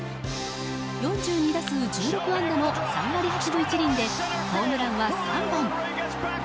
４２打数１６安打の３割８分１厘でホームランは３本。